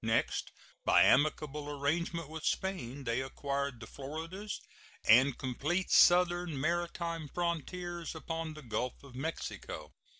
Next, by amicable arrangement with Spain, they acquired the Floridas, and complete southern maritime frontiers upon the Gulf of Mexico.